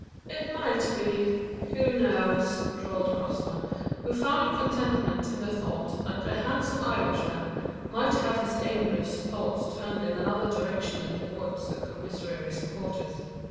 "It might be who knows?" drawled Crossman, who found contentment in the thought that the handsome Irishman might have his amorous thoughts turned in any other direction than towards the commissary's quarters.